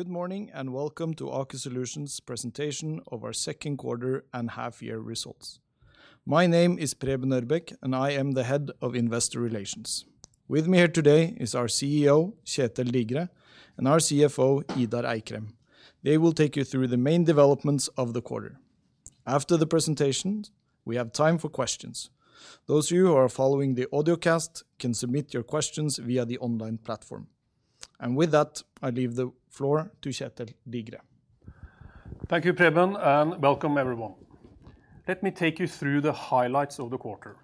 Good morning, and welcome to Aker Solutions presentation of our second quarter and half year results. My name is Preben Ørbeck, and I am the Head of Investor Relations. With me here today is our CEO, Kjetel Digre, and our CFO, Idar Eikrem. They will take you through the main developments of the quarter. After the presentation, we have time for questions. Those of you who are following the audio cast can submit your questions via the online platform. With that, I leave the floor to Kjetel Digre. Thank you, Preben, and welcome everyone. Let me take you through the highlights of the quarter.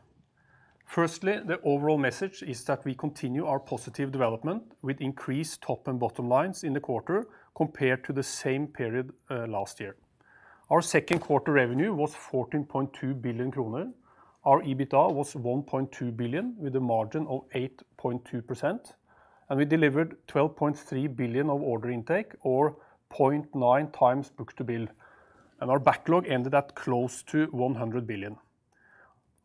Firstly, the overall message is that we continue our positive development with increased top and bottom lines in the quarter compared to the same period last year. Our second quarter revenue was 14.2 billion kroner. Our EBITDA was 1.2 billion, with a margin of 8.2%, and we delivered 12.3 billion of order intake, or 0.9x book-to-bill, and our backlog ended at close to 100 billion.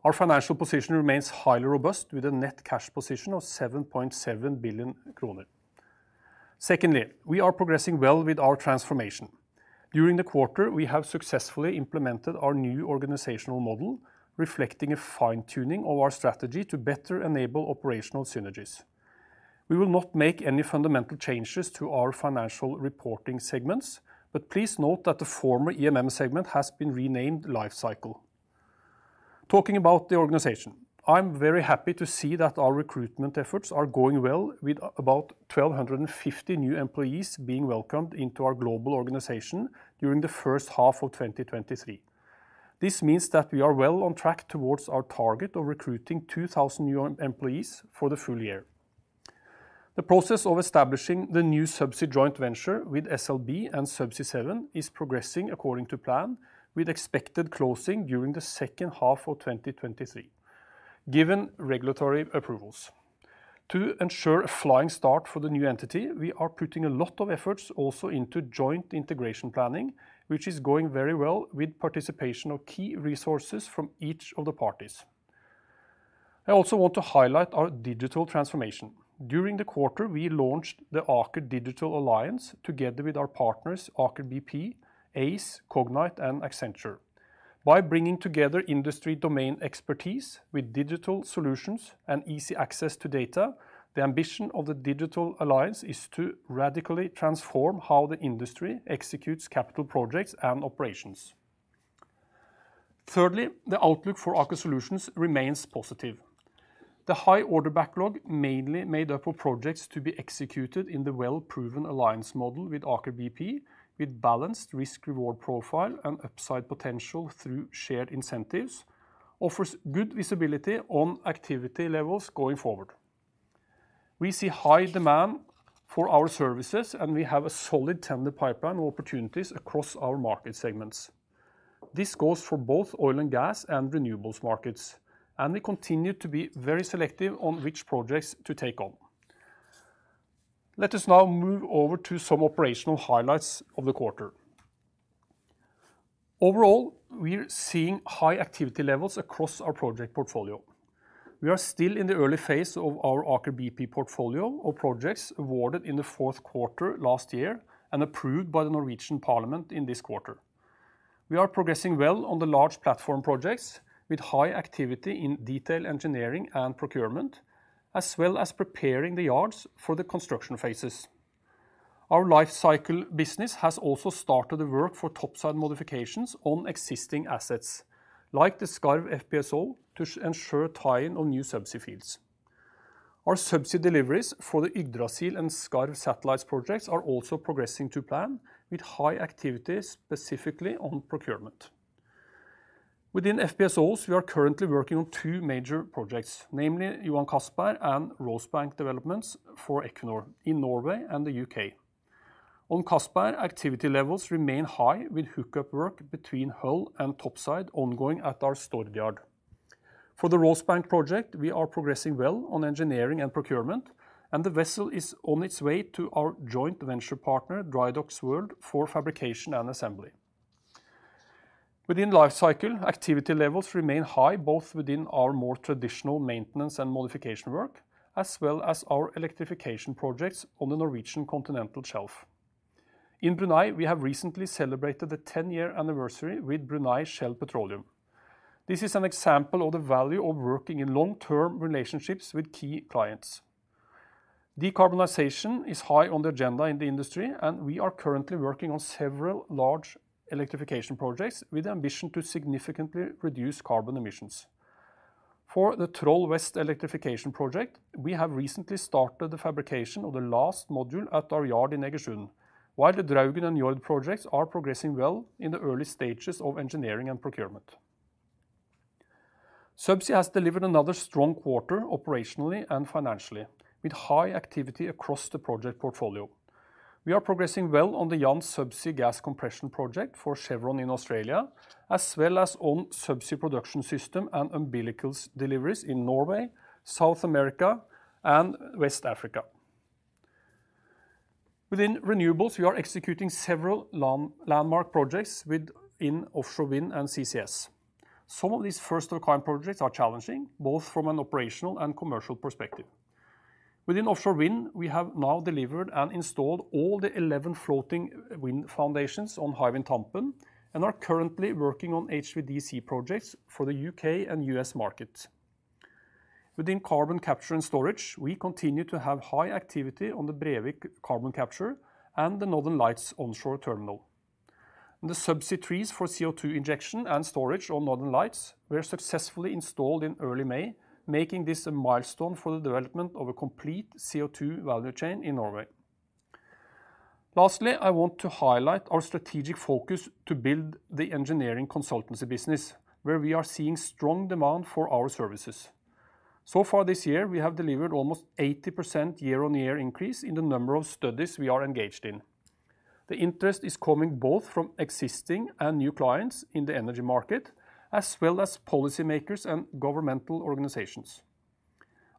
Our financial position remains highly robust, with a net cash position of 7.7 billion kroner. Secondly, we are progressing well with our transformation. During the quarter, we have successfully implemented our new organizational model, reflecting a fine-tuning of our strategy to better enable operational synergies. We will not make any fundamental changes to our financial reporting segments. Please note that the former EMM segment has been renamed Life Cycle. Talking about the organization, I'm very happy to see that our recruitment efforts are going well, with about 1,250 new employees being welcomed into our global organization during the first half of 2023. This means that we are well on track towards our target of recruiting 2,000 new employees for the full year. The process of establishing the new subsea joint venture with SLB and Subsea 7 is progressing according to plan, with expected closing during the second half of 2023, given regulatory approvals. To ensure a flying start for the new entity, we are putting a lot of efforts also into joint integration planning, which is going very well with participation of key resources from each of the parties. I also want to highlight our digital transformation. During the quarter, we launched the Aker Digital Alliance together with our partners, Aker BP, Aize, Cognite, and Accenture. By bringing together industry domain expertise with digital solutions and easy access to data, the ambition of the Digital Alliance is to radically transform how the industry executes capital projects and operations. Thirdly, the outlook for Aker Solutions remains positive. The high order backlog, mainly made up of projects to be executed in the well-proven alliance model with Aker BP, with balanced risk-reward profile and upside potential through shared incentives, offers good visibility on activity levels going forward. We see high demand for our services, and we have a solid tender pipeline of opportunities across our market segments. This goes for both oil and gas and renewables markets, and we continue to be very selective on which projects to take on. Let us now move over to some operational highlights of the quarter. Overall, we are seeing high activity levels across our project portfolio. We are still in the early phase of our Aker BP portfolio of projects awarded in the fourth quarter last year and approved by the Norwegian Parliament in this quarter. We are progressing well on the large platform projects, with high activity in detailed engineering and procurement, as well as preparing the yards for the construction phases. Our Life Cycle business has also started the work for topside modifications on existing assets, like the Skarv FPSO, to ensure tie-in on new subsea fields. Our subsea deliveries for the Yggdrasil and Skarv satellites projects are also progressing to plan, with high activities, specifically on procurement. Within FPSOs, we are currently working on two major projects, namely Johan Castberg and Rosebank developments for Equinor in Norway and the U.K. On Castberg, activity levels remain high, with hook-up work between hull and topside ongoing at our Stord yard. For the Rosebank project, we are progressing well on engineering and procurement, and the vessel is on its way to our joint venture partner, Drydocks World, for fabrication and assembly. Within Life Cycle, activity levels remain high, both within our more traditional maintenance and modification work, as well as our electrification projects on the Norwegian Continental Shelf. In Brunei, we have recently celebrated the 10-year anniversary with Brunei Shell Petroleum. This is an example of the value of working in long-term relationships with key clients. Decarbonization is high on the agenda in the industry. We are currently working on several large electrification projects with ambition to significantly reduce carbon emissions. For the Troll West electrification project, we have recently started the fabrication of the last module at our yard in Egersund, while the Draugen and Njord projects are progressing well in the early stages of engineering and procurement. Subsea has delivered another strong quarter, operationally and financially, with high activity across the project portfolio. We are progressing well on the Jansz subsea gas compression project for Chevron in Australia, as well as on subsea production system and umbilicals deliveries in Norway, South America, and West Africa. Within renewables, we are executing several landmark projects in offshore wind and CCS. Some of these first-of-kind projects are challenging, both from an operational and commercial perspective. Within offshore wind, we have now delivered and installed all the 11 floating wind foundations on Hywind Tampen, and are currently working on HVDC projects for the U.K. and U.S. market. Within carbon capture and storage, we continue to have high activity on the Brevik carbon capture and the Northern Lights onshore terminal. The subsea trees for CO2 injection and storage on Northern Lights were successfully installed in early May, making this a milestone for the development of a complete CO2 value chain in Norway. I want to highlight our strategic focus to build the engineering consultancy business, where we are seeing strong demand for our services. This year, we have delivered almost 80% year-on-year increase in the number of studies we are engaged in. The interest is coming both from existing and new clients in the energy market, as well as policymakers and governmental organizations.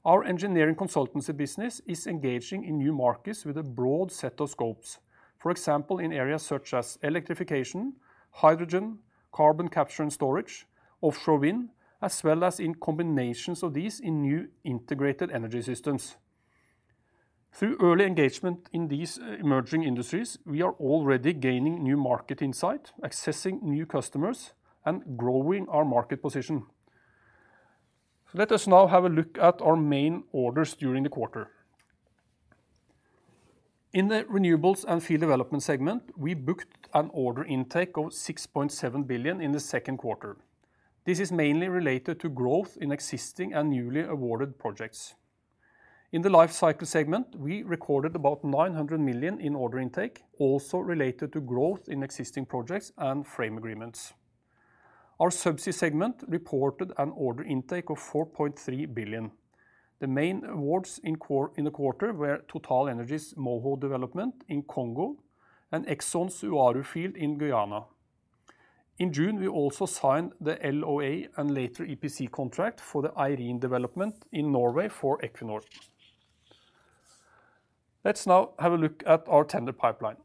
Our engineering consultancy business is engaging in new markets with a broad set of scopes. For example, in areas such as electrification, hydrogen, carbon capture and storage, offshore wind, as well as in combinations of these in new integrated energy systems. Through early engagement in these emerging industries, we are already gaining new market insight, accessing new customers, and growing our market position. Let us now have a look at our main orders during the quarter. In the renewables and field development segment, we booked an order intake of 6.7 billion in the second quarter. This is mainly related to growth in existing and newly awarded projects. In the Life Cycle segment, we recorded about 900 million in order intake, also related to growth in existing projects and frame agreements. Our subsea segment reported an order intake of 4.3 billion. The main awards in the quarter were TotalEnergies' Moho development in Congo and Exxon's Uaru field in Guyana. In June, we also signed the LOA and later EPC contract for the Eirin development in Norway for Equinor. Let's now have a look at our tender pipeline.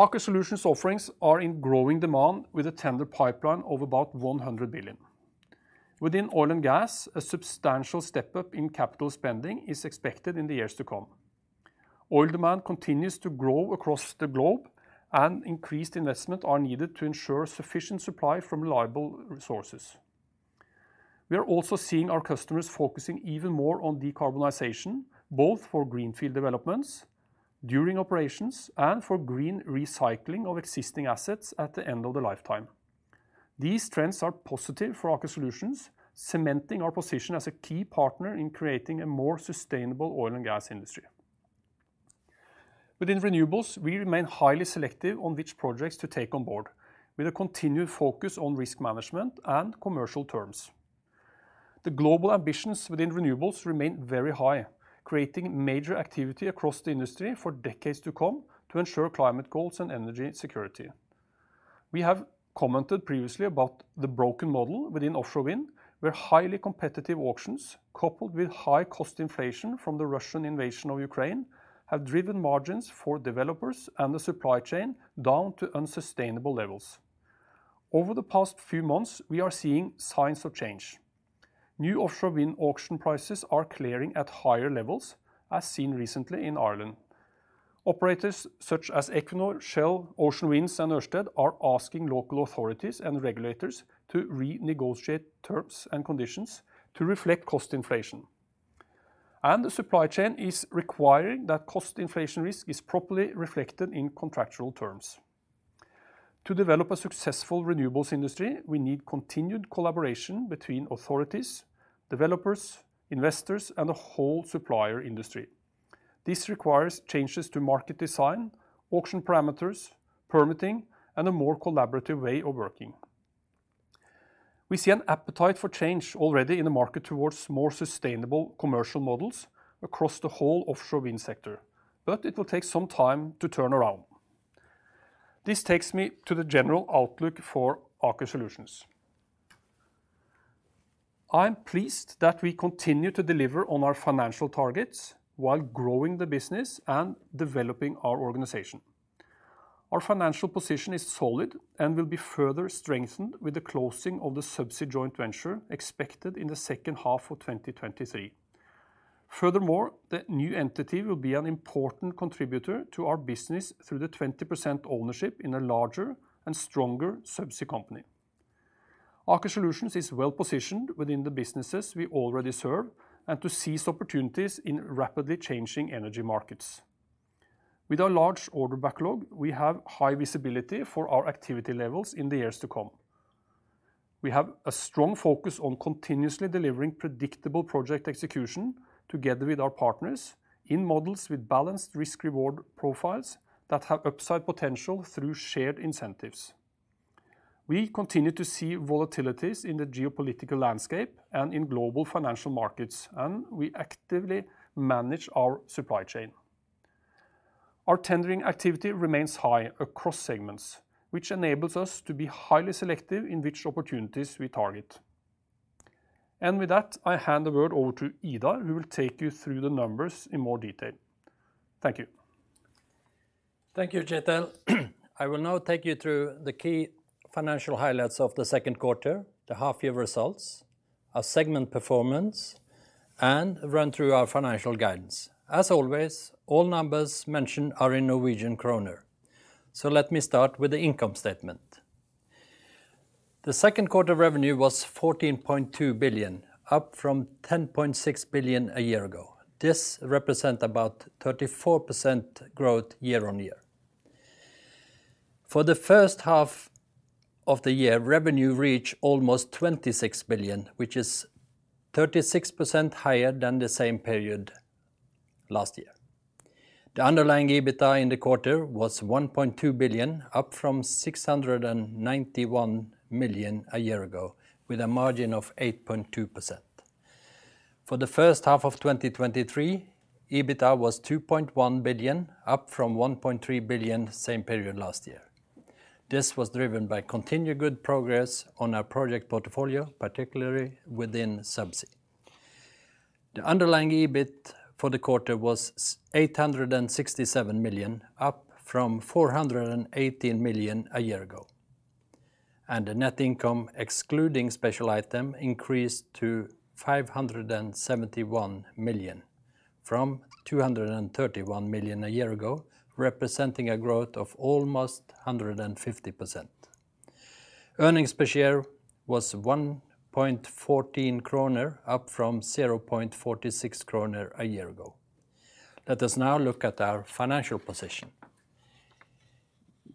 Aker Solutions offerings are in growing demand with a tender pipeline of about 100 billion. Within oil and gas, a substantial step-up in capital spending is expected in the years to come. Oil demand continues to grow across the globe, and increased investment are needed to ensure sufficient supply from reliable resources. We are also seeing our customers focusing even more on decarbonization, both for greenfield developments, during operations, and for green recycling of existing assets at the end of the lifetime. These trends are positive for Aker Solutions, cementing our position as a key partner in creating a more sustainable oil and gas industry. Within renewables, we remain highly selective on which projects to take on board, with a continued focus on risk management and commercial terms. The global ambitions within renewables remain very high, creating major activity across the industry for decades to come to ensure climate goals and energy security. We have commented previously about the broken model within offshore wind, where highly competitive auctions, coupled with high cost inflation from the Russian invasion of Ukraine, have driven margins for developers and the supply chain down to unsustainable levels. Over the past few months, we are seeing signs of change. New offshore wind auction prices are clearing at higher levels, as seen recently in Ireland. Operators such as Equinor, Shell, Ocean Winds, and Ørsted are asking local authorities and regulators to renegotiate terms and conditions to reflect cost inflation. The supply chain is requiring that cost inflation risk is properly reflected in contractual terms. To develop a successful renewables industry, we need continued collaboration between authorities, developers, investors, and the whole supplier industry. This requires changes to market design, auction parameters, permitting, and a more collaborative way of working. We see an appetite for change already in the market towards more sustainable commercial models across the whole offshore wind sector, but it will take some time to turn around. This takes me to the general outlook for Aker Solutions. I am pleased that we continue to deliver on our financial targets while growing the business and developing our organization. Our financial position is solid and will be further strengthened with the closing of the subsea joint venture expected in the second half of 2023. Furthermore, the new entity will be an important contributor to our business through the 20% ownership in a larger and stronger Subsea company. Aker Solutions is well positioned within the businesses we already serve and to seize opportunities in rapidly changing energy markets. With our large order backlog, we have high visibility for our activity levels in the years to come. We have a strong focus on continuously delivering predictable project execution together with our partners in models with balanced risk-reward profiles that have upside potential through shared incentives. We continue to see volatilities in the geopolitical landscape and in global financial markets, and we actively manage our supply chain. Our tendering activity remains high across segments, which enables us to be highly selective in which opportunities we target. With that, I hand the word over to Idar, who will take you through the numbers in more detail. Thank you. Thank you, Kjetel. I will now take you through the key financial highlights of the second quarter, the half-year results, our segment performance, and run through our financial guidance. As always, all numbers mentioned are in Norwegian kroner. Let me start with the income statement. The second quarter revenue was 14.2 billion, up from 10.6 billion a year ago. This represent about 34% growth year on year. For the first half of the year, revenue reached almost 26 billion, which is 36% higher than the same period last year. The underlying EBITDA in the quarter was 1.2 billion, up from 691 million a year ago, with a margin of 8.2%. For the first half of 2023, EBITDA was 2.1 billion, up from 1.3 billion, same period last year. This was driven by continued good progress on our project portfolio, particularly within Subsea. The underlying EBITDA for the quarter was 867 million, up from 418 million a year ago, and the net income, excluding special item, increased to 571 million, from 231 million a year ago, representing a growth of almost 150%. Earnings per share was 1.14 kroner, up from 0.46 kroner a year ago. Let us now look at our financial position.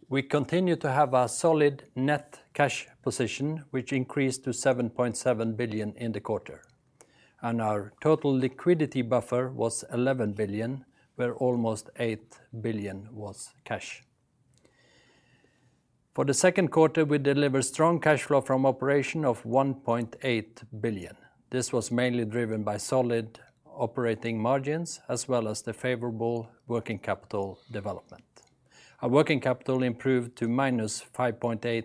We continue to have a solid net cash position, which increased to 7.7 billion in the quarter, and our total liquidity buffer was 11 billion, where almost 8 billion was cash. For the second quarter, we delivered strong cash flow from operation of 1.8 billion. This was mainly driven by solid operating margins, as well as the favorable working capital development. Our working capital improved to -5.8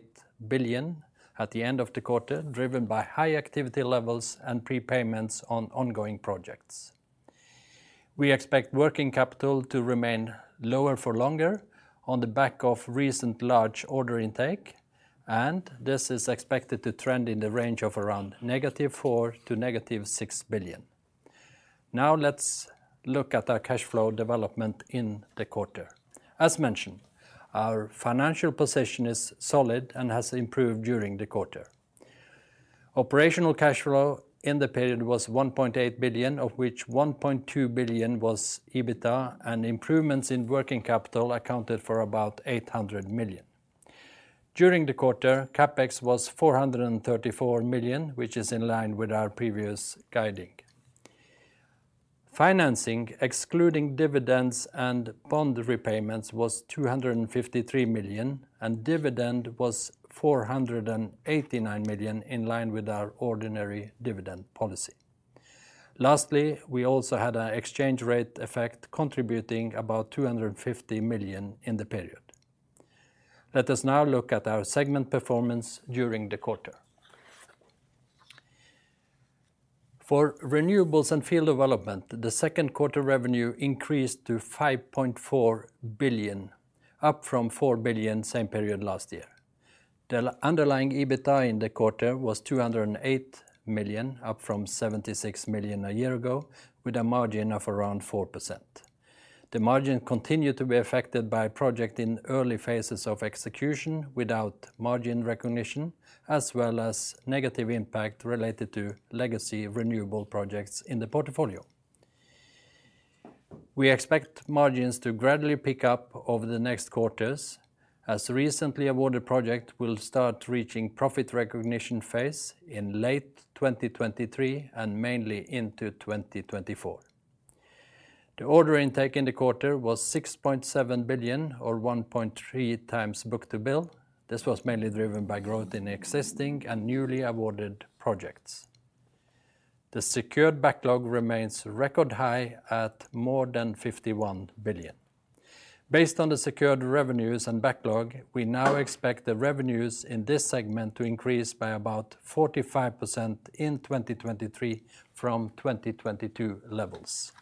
billion at the end of the quarter, driven by high activity levels and prepayments on ongoing projects. This is expected to trend in the range of around -4 billion--6 billion. Let's look at our cash flow development in the quarter. As mentioned, our financial position is solid and has improved during the quarter. Operational cash flow in the period was 1.8 billion, of which 1.2 billion was EBITDA. Improvements in working capital accounted for about 800 million. During the quarter, CapEx was 434 million, which is in line with our previous guiding. Financing, excluding dividends and bond repayments, was 253 million, and dividend was 489 million, in line with our ordinary dividend policy. Lastly, we also had an exchange rate effect, contributing about 250 million in the period. Let us now look at our segment performance during the quarter. For renewables and field development, the second quarter revenue increased to 5.4 billion, up from 4 billion same period last year. The underlying EBITDA in the quarter was 208 million, up from 76 million a year ago, with a margin of around 4%. The margin continued to be affected by project in early phases of execution without margin recognition, as well as negative impact related to legacy renewable projects in the portfolio. We expect margins to gradually pick up over the next quarters, as recently awarded project will start reaching profit recognition phase in late 2023, and mainly into 2024. The order intake in the quarter was 6.7 billion, or 1.3x book-to-bill. This was mainly driven by growth in existing and newly awarded projects. The secured backlog remains record high at more than 51 billion. Based on the secured revenues and backlog, we now expect the revenues in this segment to increase by about 45% in 2023, from 2022 levels.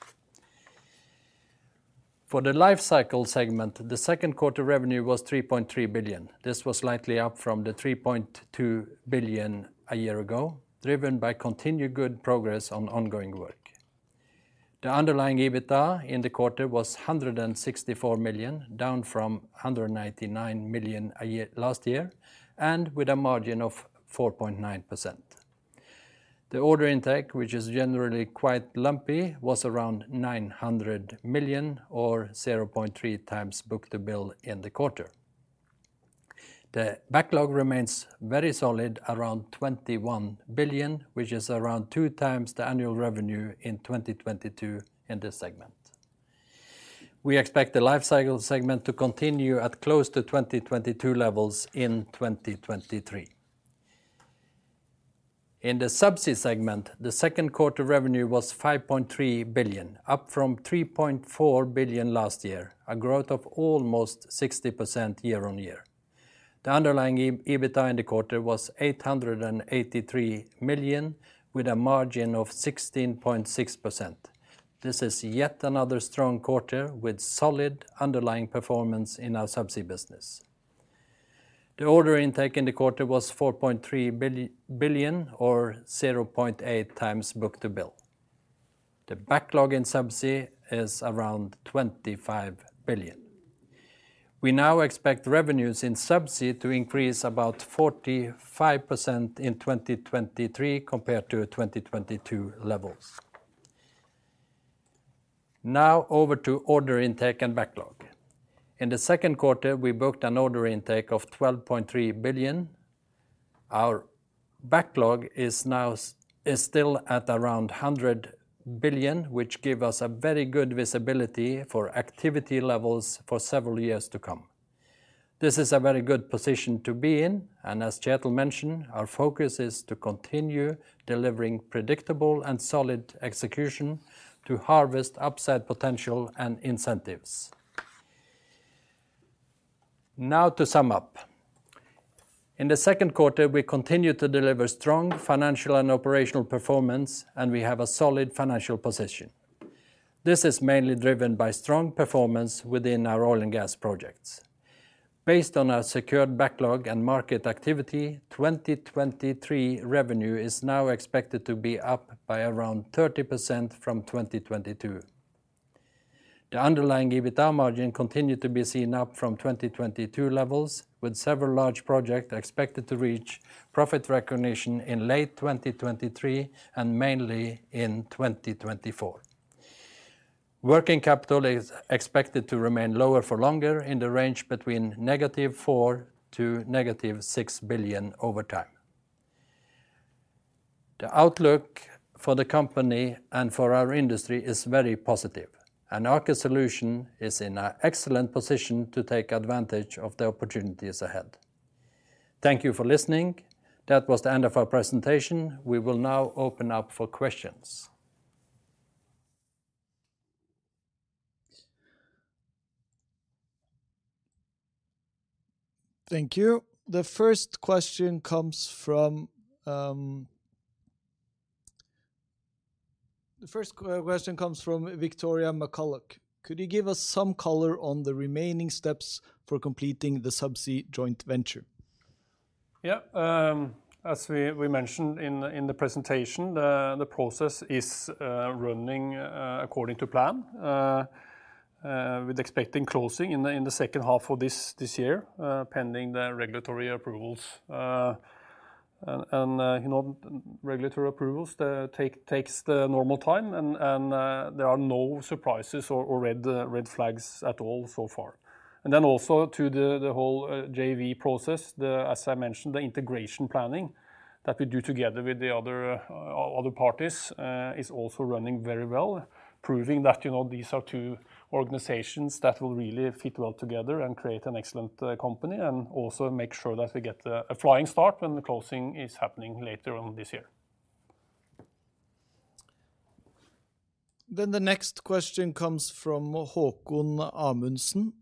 For the Life Cycle segment, the second quarter revenue was 3.3 billion. This was slightly up from the 3.2 billion a year ago, driven by continued good progress on ongoing work. The underlying EBITDA in the quarter was 164 million, down from 199 million last year, and with a margin of 4.9%. The order intake, which is generally quite lumpy, was around 900 million, or 0.3x book-to-bill in the quarter. The backlog remains very solid, around 21 billion, which is around 2x the annual revenue in 2022 in this segment. We expect the Life Cycle segment to continue at close to 2022 levels in 2023. In the Subsea segment, the second quarter revenue was 5.3 billion, up from 3.4 billion last year, a growth of almost 60% year-on-year. The underlying EBITDA in the quarter was 883 million, with a margin of 16.6%. This is yet another strong quarter, with solid underlying performance in our Subsea business. The order intake in the quarter was 4.3 billion, or 0.8x book-to-bill. The backlog in Subsea is around 25 billion. We now expect revenues in Subsea to increase about 45% in 2023, compared to 2022 levels. Over to order intake and backlog. In the second quarter, we booked an order intake of 12.3 billion. Our backlog is now still at around 100 billion, which give us a very good visibility for activity levels for several years to come. This is a very good position to be in. As Kjetil mentioned, our focus is to continue delivering predictable and solid execution to harvest upside potential and incentives. To sum up. In the second quarter, we continued to deliver strong financial and operational performance, and we have a solid financial position. This is mainly driven by strong performance within our oil and gas projects. Based on our secured backlog and market activity, 2023 revenue is now expected to be up by around 30% from 2022. The underlying EBITDA margin continued to be seen up from 2022 levels, with several large project expected to reach profit recognition in late 2023, and mainly in 2024. Working capital is expected to remain lower for longer, in the range between -4 billion--6 billion over time. The outlook for the company and for our industry is very positive, and Aker Solutions is in a excellent position to take advantage of the opportunities ahead. Thank you for listening. That was the end of our presentation. We will now open up for questions. Thank you. The first question comes from Victoria McCulloch. Could you give us some color on the remaining steps for completing the Subsea joint venture? Yeah, as we mentioned in the presentation, the process is running according to plan with expecting closing in the second half of this year, pending the regulatory approvals. You know, regulatory approvals takes the normal time, and there are no surprises or red flags at all so far. Then also, to the whole JV process, as I mentioned, the integration planning that we do together with the other parties is also running very well, proving that, you know, these are two organizations that will really fit well together and create an excellent company, and also make sure that we get a flying start when the closing is happening later on this year. The next question comes from Haakon Amundsen.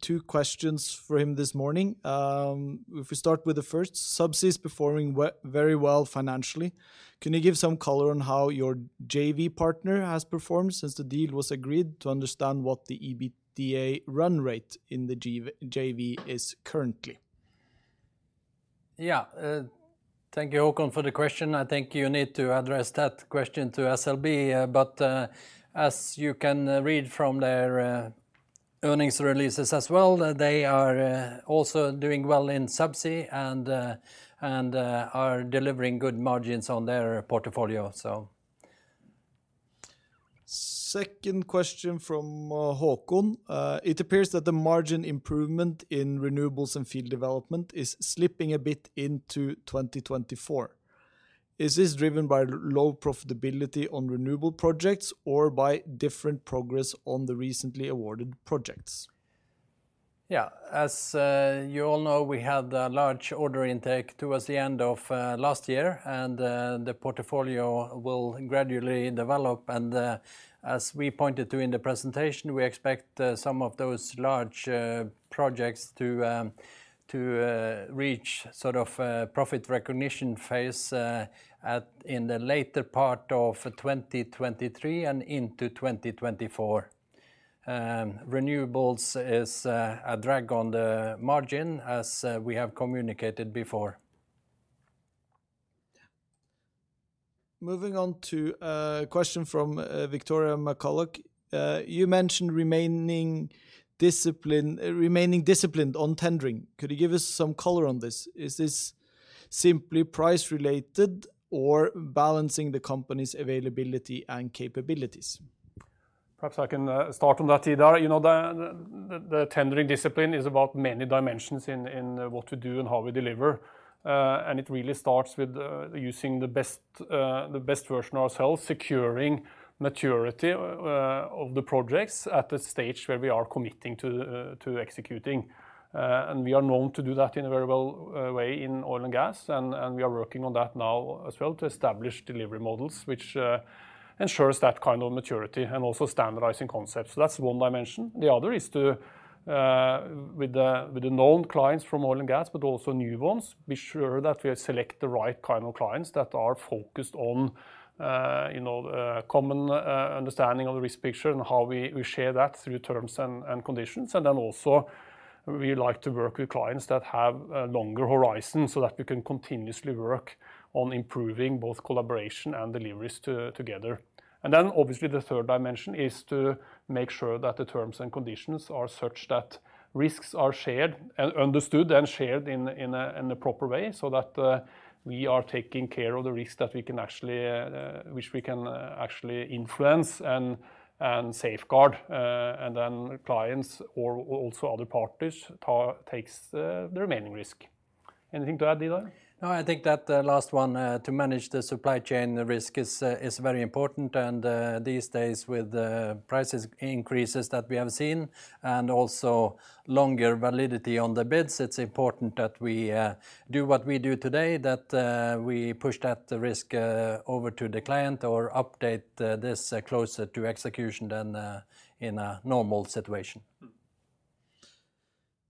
Two questions for him this morning. If we start with the first, Subsea is performing very well financially. Can you give some color on how your JV partner has performed since the deal was agreed, to understand what the EBITDA run rate in the JV is currently? Yeah. Thank you, Haakon, for the question. I think you need to address that question to SLB. As you can read from their earnings releases as well, they are also doing well in subsea, and are delivering good margins on their portfolio, so. Second question from, Haakon. It appears that the margin improvement in renewables and field development is slipping a bit into 2024. Is this driven by low profitability on renewable projects, or by different progress on the recently awarded projects? Yeah, as you all know, we had a large order intake towards the end of last year, and the portfolio will gradually develop. As we pointed to in the presentation, we expect some of those large projects to reach sort of a profit recognition phase in the later part of 2023 and into 2024. Renewables is a drag on the margin, as we have communicated before. Moving on to a question from Victoria McCulloch. You mentioned remaining disciplined on tendering. Could you give us some color on this? Is this simply price-related, or balancing the company's availability and capabilities? Perhaps I can start on that, Idar. You know, the tendering discipline is about many dimensions in what we do and how we deliver. It really starts with using the best version of ourselves, securing maturity of the projects at the stage where we are committing to executing. We are known to do that in a very well way in oil and gas, and we are working on that now as well, to establish delivery models, which ensures that kind of maturity and also standardizing concepts. That's one dimension. The other is to, with the known clients from oil and gas, but also new ones, be sure that we select the right kind of clients that are focused on, you know, common understanding of the risk picture and how we share that through terms and conditions. Also, we like to work with clients that have a longer horizon, so that we can continuously work on improving both collaboration and deliveries together. Obviously, the third dimension is to make sure that the terms and conditions are such that risks are shared and understood and shared in a proper way, so that we are taking care of the risk that we can actually which we can actually influence and safeguard, and then clients or also other parties takes the remaining risk. Anything to add, Idar? No, I think that the last one, to manage the supply chain risk is very important. These days, with the prices increases that we have seen, and also longer validity on the bids, it's important that we do what we do today, that we push that risk over to the client or update this closer to execution than in a normal situation.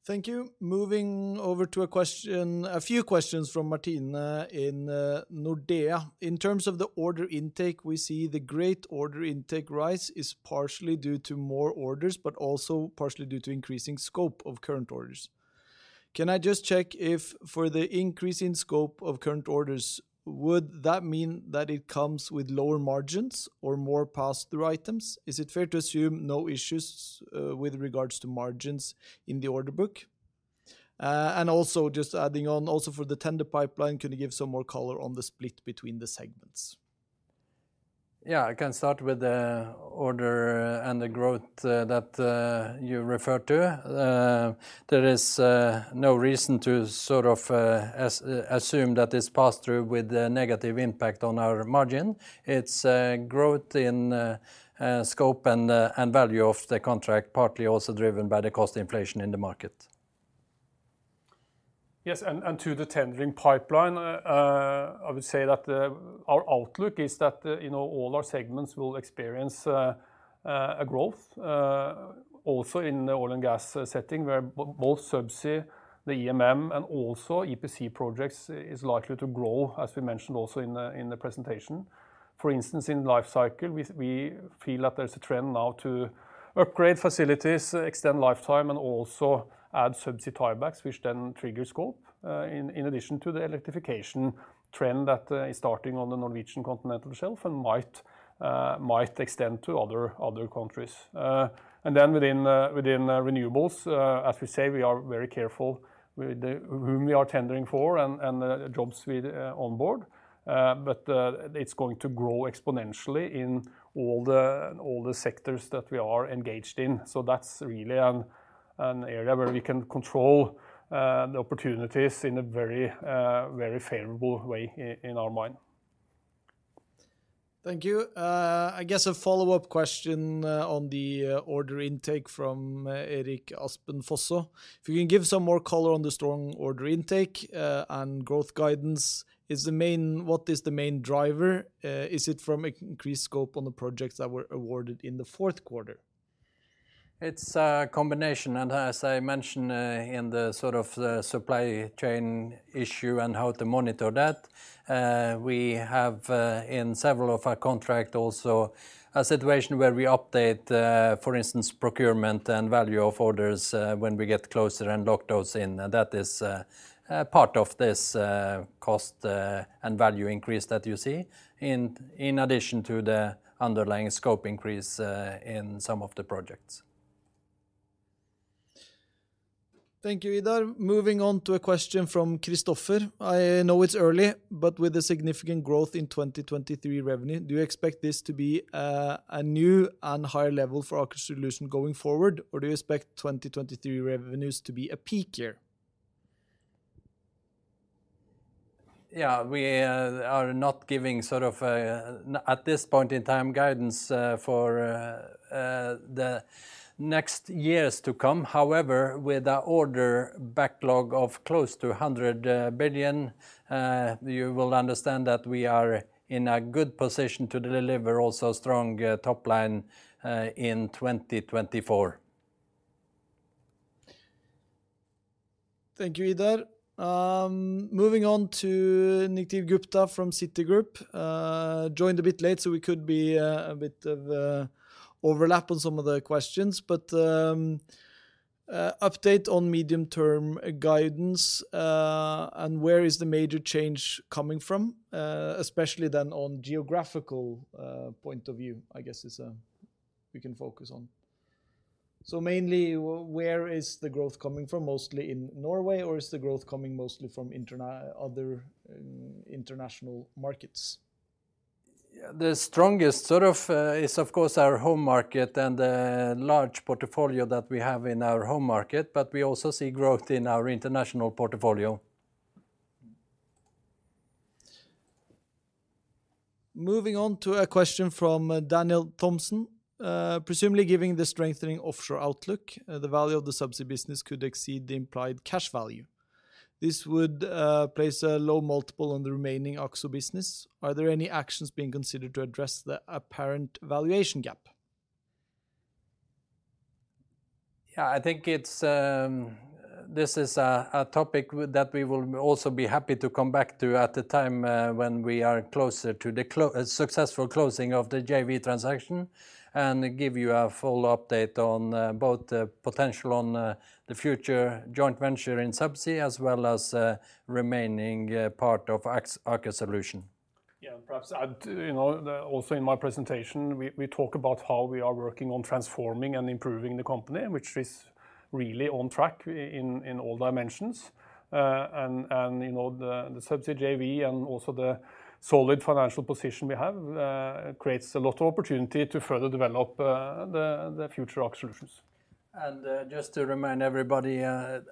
Thank you. Moving over to a few questions from Martine in Nordea. In terms of the order intake, we see the great order intake rise is partially due to more orders, but also partially due to increasing scope of current orders. Can I just check if, for the increase in scope of current orders, would that mean that it comes with lower margins or more pass-through items? Is it fair to assume no issues with regards to margins in the order book? And also just adding on, also for the tender pipeline, can you give some more color on the split between the segments? Yeah, I can start with the order and the growth that you referred to. There is no reason to sort of assume that it's pass-through with a negative impact on our margin. It's a growth in scope and value of the contract, partly also driven by the cost inflation in the market. To the tendering pipeline, I would say that our outlook is that, you know, all our segments will experience a growth also in the oil and gas setting, where both subsea, the EMM, and also EPC projects is likely to grow, as we mentioned also in the presentation. For instance, in Life Cycle, we feel that there's a trend now to upgrade facilities, extend lifetime, and also add subsea tiebacks, which then trigger scope in addition to the electrification trend that is starting on the Norwegian Continental Shelf and might extend to other countries. Within renewables, as we say, we are very careful with whom we are tendering for and the jobs we onboard. It's going to grow exponentially in all the sectors that we are engaged in. That's really an area where we can control the opportunities in a very favorable way in our mind. Thank you. I guess a follow-up question on the order intake from Erik Aspen Fosså. If you can give some more color on the strong order intake and growth guidance, what is the main driver? Is it from increased scope on the projects that were awarded in the fourth quarter? It's a combination, and as I mentioned, in the sort of the supply chain issue and how to monitor that, we have, in several of our contract also a situation where we update, for instance, procurement and value of orders, when we get closer and lock those in. That is, a part of this, cost, and value increase that you see, in addition to the underlying scope increase, in some of the projects. Thank you, Idar. Moving on to a question from Christopher. I know it's early, but with the significant growth in 2023 revenue, do you expect this to be a new and higher level for Aker Solutions going forward, or do you expect 2023 revenues to be a peak year? We are not giving sort of a, at this point in time, guidance for the next years to come. However, with an order backlog of close to 100 billion, you will understand that we are in a good position to deliver also strong top line in 2024. Thank you, Idar. Moving on to Nikhil Gupta from Citigroup. Joined a bit late, so we could be a bit of overlap on some of the questions. Update on medium-term guidance, and where is the major change coming from? Especially then on geographical point of view, I guess is, we can focus on. Mainly, where is the growth coming from? Mostly in Norway, or is the growth coming mostly from other international markets? The strongest sort of is of course our home market and the large portfolio that we have in our home market, but we also see growth in our international portfolio. Moving on to a question from Daniel Thompson. Presumably giving the strengthening offshore outlook, the value of the subsea business could exceed the implied cash value. This would place a low multiple on the remaining Aker business. Are there any actions being considered to address the apparent valuation gap? Yeah, I think it's. This is a topic that we will also be happy to come back to at the time, when we are closer to the successful closing of the JV transaction, and give you a full update on, both the potential on, the future joint venture in subsea, as well as, remaining, part of Aker Solutions. Yeah, perhaps I'd, you know, also in my presentation, we talk about how we are working on transforming and improving the company, which is really on track in all dimensions. You know, the subsea JV and also the solid financial position we have, creates a lot of opportunity to further develop the future Aker Solutions. Just to remind everybody,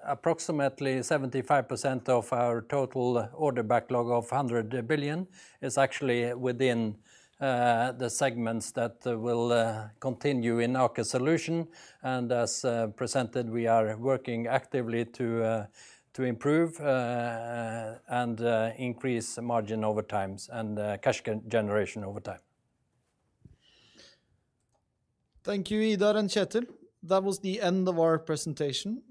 approximately 75% of our total order backlog of 100 billion is actually within the segments that will continue in Aker Solutions. As presented, we are working actively to improve and increase margin over times and cash generation over time. Thank you, Idar and Kjetil. That was the end of our presentation.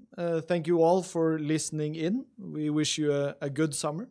Thank you all for listening in. We wish you a good summer.